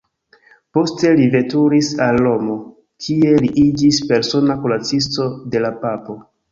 Poste li veturis al Romo, kie li iĝis persona kuracisto de la Papo.